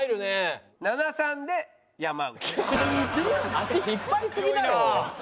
足引っ張りすぎだろ！